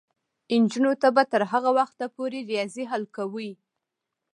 نجونې به تر هغه وخته پورې ریاضي حل کوي.